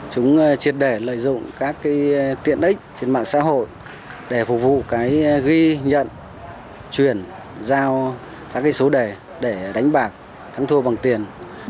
chúng triệt đề lợi dụng các tiện ích trên mạng xã hội để phục vụ ghi nhận truyền giao các số đề để đánh bạc thắng thua bằng tiền